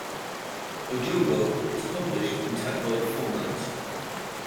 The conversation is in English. "O Jogo" is published in tabloid format.